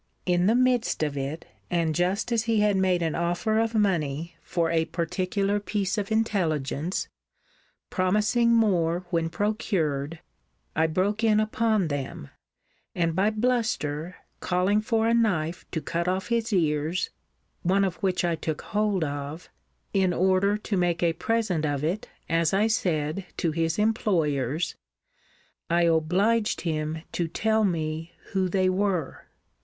'In the midst of it, and just as he had made an offer of money for a particular piece of intelligence, promising more when procured, I broke in upon them, and by bluster, calling for a knife to cut off his ears (one of which I took hold of) in order to make a present of it, as I said, to his employers, I obliged him to tell me who they were.